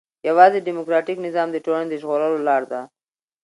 يوازي ډيموکراټيک نظام د ټولني د ژغورلو لار ده.